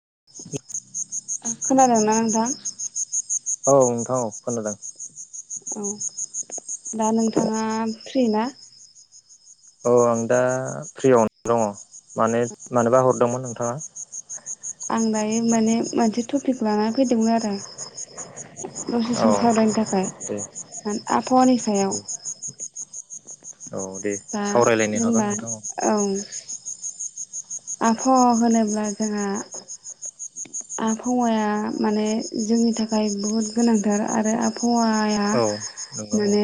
[unintelligible] [inaudible] खोनादोंना नोंथां औ नोंथां औ खोनादों औ दा नोंथाङा फ्रि ना औ आं दा फ्रियावनो दङ माने मानोबा हरदोंमोन नोंथाङा [unintelligible] [inaudible] आं दायो माने मोनसे टपिक लाना फैदोंमोन आरो दसे औ सम सावरायनो थाखाय दे आबहावानि दे सायाव औ दे दा सावरायलायनो हागोन जेनेबा नोंथां औ आभावा होनोब्ला जोङो आभावाया माने जोंनि थाखाय बहुद गोनांथार आरो आभा- वाया औ नंगौ माने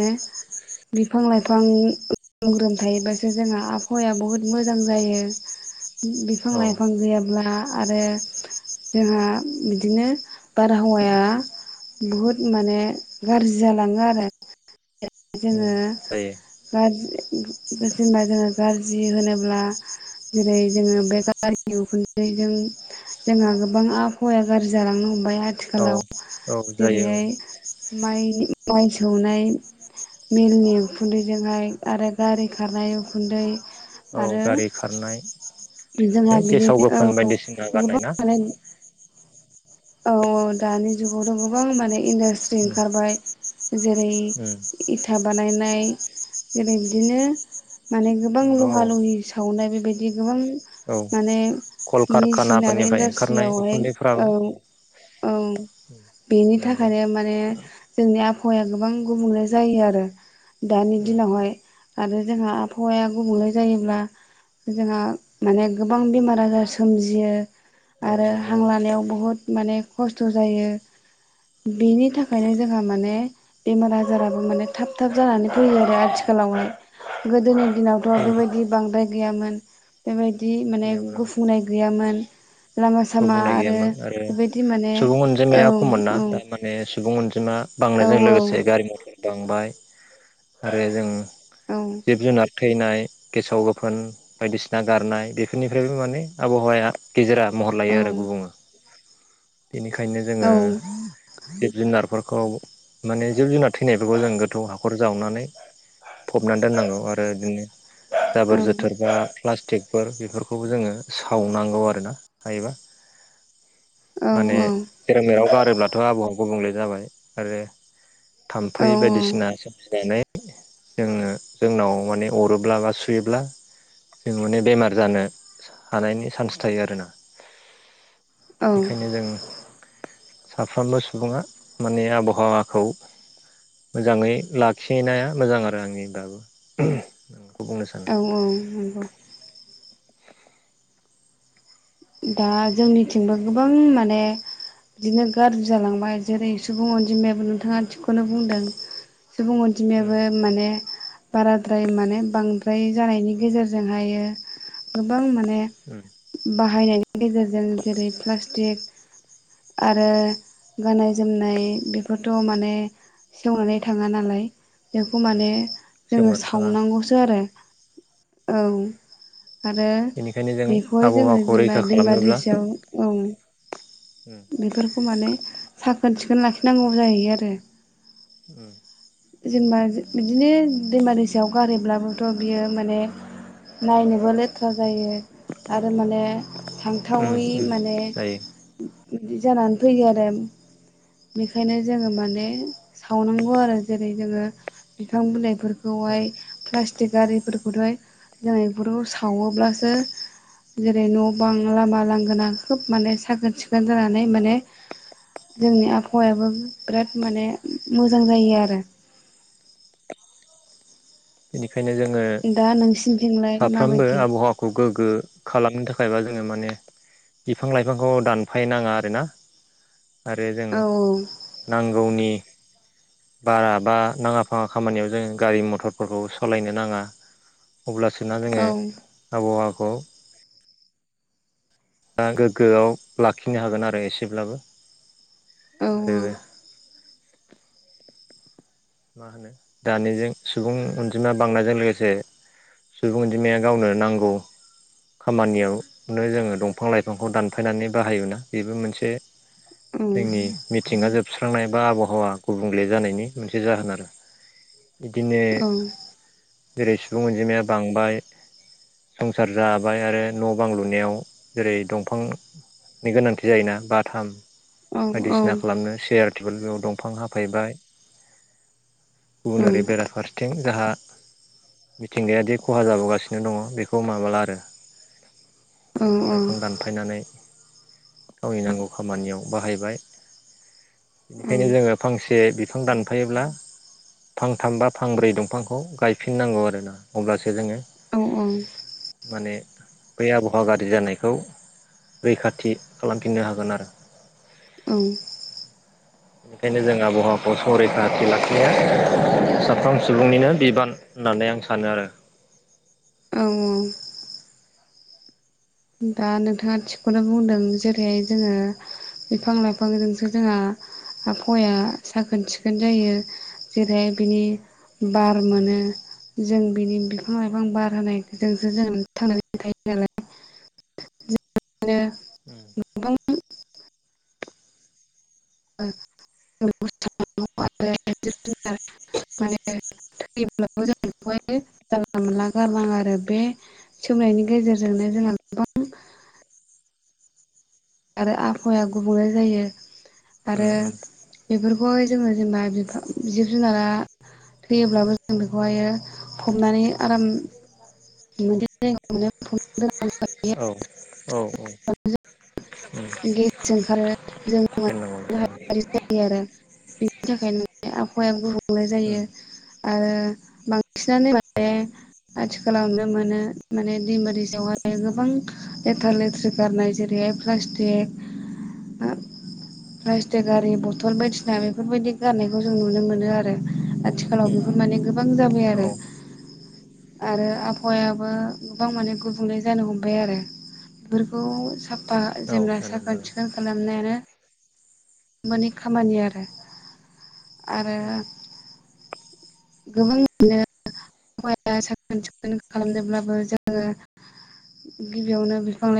बिफां लाइफां ग्रोम ग्रोम थायोबासो जोंहा आभावाया बुहुद मोजां जायो बिफां औ लाइफां गैयाब्ला आरो जोंहा बिदिनो बारहावाया बुहुद माने गाज्रि जालाङो आरो उम जोङो जायो गाज- जेनबा जोङो गाज्रि होनोब्ला जेरै जोङो बे गारि खुन्दैजों जोंहा गोबां आभावाया गाज्रि जालांनो हमबाय औ आथिखालाव औ जायो जेरैहाय माइ माइ सौनाय मिलनि उखुन्दैजोंहाय आरो गारि खारनाय उखुन्दै औ आरो गारि खारनाय जोंहा गेसाव बिदिनो औ गोफोन बायदिसिना गारनाय गोबां ना माने औ ओ दानि जुगावथ' गोबां माने इन्डास्ट्रि उम ओंखारबाय जेरै उम इथा बानायनाय जेरै बिदिनो माने गोबां नंगौ लहा लहि सावनाय बेबायदि गोबां औ माने मेसिनारि कलकारखानाफोरनिफ्राय ओंखारनाय इडासट्रियावहाय उखुन्दैफ्राबो ओ औ बेनि नंगौ थाखायनो माने जोंनि आबहावाया गोबां गुबुंले जायो आरो। दानि उम दिनावहाय आरो जोंहा आबहावाया गुबुंले जायोब्ला जोंहा माने गोबां बेमार आजार सोमजियो। औ आरो नंगौ हां औ लानायाव बहुद माने खस्थ' जायो। बेनि थाखायनो जोंहा माने बेमार आजाराबो माने थाब थाब जानानै फैयो आरो उम आथि खालावहाय गोदोनि दिनावथ' बेनि बेबायदि बांद्राय गैयामोन। बेबायदि माने गैयामोन औ गुफुंनाय गैयामोन लामा सामा गुबुंनाय आरो गैयामोन बेबायदि माने सुबुं औ अनजिमाया खम मोन ना औ दा माने सुबुं अनजिमा औ बांनायजों लोगोसे गारि मथर बांबाय। आरो जों औ जिब जुनार थैनाय गेसाव गोफोन बायदिसिना गारनाय बेफोरनिफ्रायबो माने आबहावाया गेजेरा महर औ लायो आरो गुबुङो। बेनिखायनो औ जोङो जिब जुनारफोरखौ माने जिब जुनार थैनायफोरखौ जों गोथौ हाखर जावनानै फबनानै दोननांगौ आरो बिदिनो जाबोर जोथोरबा प्लास्टिक फोर बेफोरखौबो जोङो सावनांगौ आरोना हायोबा। माने जेराव मेराव गारोब्लाथ' आबौआ गुबुंले जाबाय आरो थाम्फै बायदिसिना सोरोमजिनानै जों जोंनाव माने अरोब्ला बा सुयोब्ला जों माने बेमार जानो हानायनि सान्स थायो आरोना। औ बेखायनो जों साफ्रोमबो सुबुङा माने आबहावाखौ मोजाङै लाखिनाया मोजां आरो आंनिबाबो। बुंनो सानो औ औ नंगौ। दा जोंनिथिंबो गोबां माने बिदिनो गाज्रि जालांबाय जेरै सुबुं अनजिमायाबो नोंथाङा थिकखौनो बुंदों सुबुं उम अनजिमायाबो माने बाराद्राय माने बांद्राय जानायनि गेजेरजोंहायो गोबां माने म उम बाहायनायनि गेजेरजों जेरै प्लाटिक आरो गाननाय जोमनाय बेफोरथ' माने संनानै थाङा नालाय बेखौ उम माने जोङो सेवनानै थाङा सावनांगौसो आरो औ। आरो बेनिखायनो जों बेखौहाय जोङो आबहावाखौ जेनेबा रैखा दैमा खालामनोब्ला दैसायाव ओं। उम बेफोरखौ माने साखोन सिखोन लाखिनांगौ जाहै आरो उम जेनेबा बिदिनो दैमा दैसायाव गारहैब्लाबोथ' बियो माने नायनोबो लेथ थ्रा जायो आरो माने उम थांथावै उम माने जायो बिदि जानानै फैयो आरो। बेखायनो जोङो माने सावनांगौ आरो। जेरै जोङो बिफां उम बिलाइफोरखौहाय प्लास्टिक आरिफोरखौहाय जों इफोरखौ सावोब्लासो जेरै न' बां लामा लांगोना खोब माने साखोन सिखोन जानानै माने जोंनि आबहावायाबो बिराद माने मोजां जायो आरो। बेनिखायनो जोङो दा नोंसिनिथिंलाय साफ्रोमबो माबायदि आबहावाखौ गोग्गो खालामनो था थाखायबा जोङो माने बिफां लाइफांखौ दानफाय नाङा आरो ना। आरो जों औ नांगौनि बारा बा नाङा फाङा खामानियाव जों गारि मथर फोरखौ सालायनो नाङा अब्लासोना जोङो औ आबहावाखौ दा गोग्गोआव लाखिनो हागोन आरो एसेब्लाबो औ आरो मा होनो दानिजों सुबुं अनजिमा बांनायजों लोगोसे सुबुं अनजिमाया गावनो नांगौ खामानियावनो जोङो दंफां लाइफांखौ दानफायनानै बाहायोना बेबो मोनसे औ जोंनि मिथिंगा जोबस्रांनाय बा आबहावा गुबुंले जानायनि मोनसे जाहोन आरो बिदिनो औ जेरै सुबुं अनजिमाया बांबाय संसार जाबाय आरो न' बां लुनायाव जेरै दंफां नि गोनांथि जायोना बाथाम औ बायदिसिना खालामनो सेयार टेबोल बेयाव दंफां हाफायबाय गुबुन ओरै बेराफारसेथिं जोंहा मिथिंगायादि खहा जाबोगासिनो दङ बेखौ माबाला आरो दंफां औ लाइफां दानफायनानै गावनि नांगौ खामानियाव बाहायबाय बेनिखायनो जोङो फांसे बिफां दानफायोब्ला फांथाम बा फांब्रै दंफांखौ गायफिननांगौ आरोना अब्लासो जोङो औ औ माने बै आबहावा गाज्रि जानायखौ रैखाथि खालामफिननो हागोन आरो औ बेनिखायनो जों आबहावाखौ संरैखाथि लाखिया साफ्राम सुबुंनिनो बिबान होननानै आं सानो आरो औ दा नोंथाङा थिगखौनो बुंदों जेरैहाय जोङो उम बिफां लाइफांजोंसो जोंहा आबहवाया साखोन सिखोन जायो जेरैहाय बिनि बार उम मोनो जों बिनि बिफां लाइफां बार होनायजोंसो जों थांनानै थायो नालाय [unintelligible] [unintelligible] [unintelligible] जाला मोनला गालां आरो बे सोंनायनि गेजेरजोंनो जोंहा गोबां आरो आबहावाया गुबुंल जायो आरो उम उम उम बेफोरखौहाय जोङो [unintelligible] जिब जुनारा थैयोब्लाबो जों बेखौहायो फबनानै आराम म औ औ औ उम गेस ओंखारो जों दोननांगौ जायो आरो बेनि थाखायनो आबहावाया गुबुंले उम जायो आरो बांसिनानो माने आथिखालाव नुनो मोनो माने दैमा दैसायाव गोबां लेथ्रा लेथ्रि गारनाय जेरैहाय [unintelligible] प्लास्टिक आरारि बथल बायदिना बेफोरबायदि गारनायखौ जों नुनो मोनो आरो आथिखालाव बेफोर माने गोबां जाबाय औ आरो औ आरो आबहावायाबो गोबां माने गुबुंले जानो हमबाय आरो बेफोरखौ साफा जेनब्ला साखोन जानांगौ सिखोन खालामनायानो माने खामानि आरो आरो उम गोबां बिदिनो [inaudible] साखोन सिखोन खालामदोंब्लाबो जोङो गिबियावनो बिफां लाइ